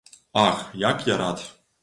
Ах, як я рад!